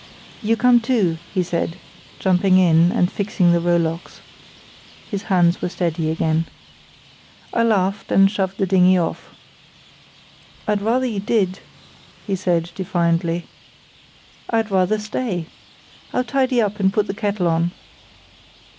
"You come too," he said, jumping in, and fixing the rowlocks. (His hands were steady again.) I laughed, and shoved the dinghy off. "I'd rather you did," he said, defiantly. "I'd rather stay. I'll tidy up, and put the kettle on."